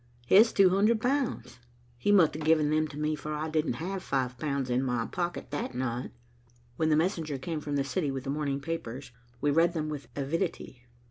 "Here's two hundred pounds. He must have given them to me, for I didn't have five pounds in my pocket that night." When the messenger came from the city with the morning papers, we read them with avidity.